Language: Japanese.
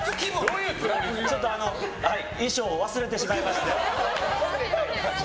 ちょっと衣装を忘れてしまいまして。